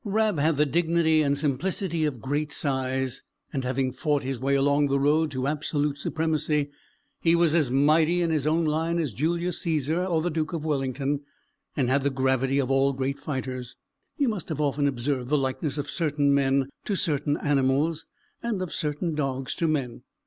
Rab had the dignity and simplicity of great size; and having fought his way along the road to absolute supremacy, he was as mighty in his own line as Julius Cæsar or the Duke of Wellington, and had the gravity of all great fighters. You must have often observed the likeness of certain men to certain animals, and of certain dogs to men.